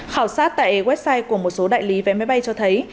khảo sát tại website của một số đại lý vé máy bay cho thấy